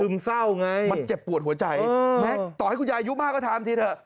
มันเจ็บปวดหัวใจต่อให้คุณยายอายุมากก็ทำสิเถอะ